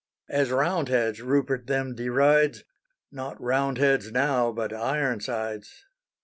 As Roundheads, Rupert them derides; Not Roundheads now, but Ironsides.